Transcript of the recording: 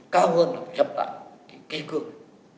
cao hơn là phải nhập lại kỳ cương